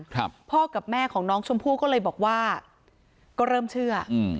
พ่อกับแม่ของน้องชมพู่ก็เลยบอกว่าก็เริ่มเชื่ออืม